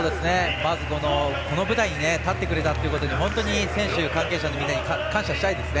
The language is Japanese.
まず、この舞台に立ってくれたということに本当に選手、関係者のみんなに感謝したいですね。